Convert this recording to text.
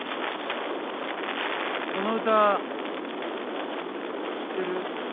この歌知ってる？